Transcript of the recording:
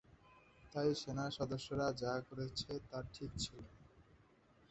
তাই সেনা সদস্যরা যা করেছে তা ঠিক ছিল।